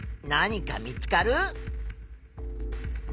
何か見つかる？